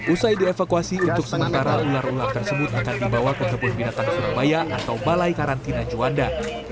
usai dievakuasi untuk sementara ular ular tersebut akan dibawa ke kebun binatang surabaya atau balai karantina juanda